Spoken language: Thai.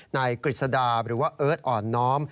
กฤษดาหรือว่าเอิร์ทอ่อนน้อม